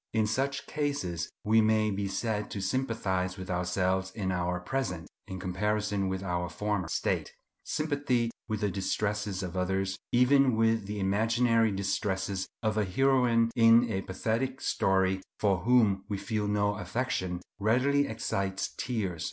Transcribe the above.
In such cases we may be said to sympathize with ourselves in our present, in comparison with our former, state. Sympathy with the distresses of others, even with the imaginary distresses of a heroine in a pathetic story, for whom we feel no affection, readily excites tears.